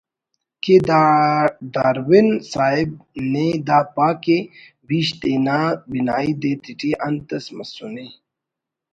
کہ ڈارون صاحب نی دا پا کہ بیش تینا بنائی دے تیٹی انت اس مسنے